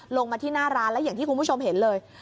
ลงมาที่หน้าร้านแล้วอย่างที่คุณผู้ชมเห็นเลย